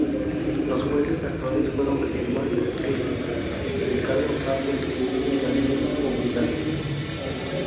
Los jueces actuantes fueron Germán Castelli, Ricardo Farías y Daniel Obligado.